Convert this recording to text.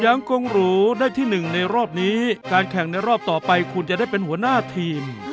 ยังกงหรูได้ที่หนึ่งในรอบนี้การแข่งในรอบต่อไปคุณจะได้เป็นหัวหน้าทีม